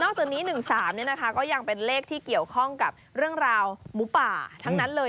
จากนี้๑๓ก็ยังเป็นเลขที่เกี่ยวข้องกับเรื่องราวหมูป่าทั้งนั้นเลย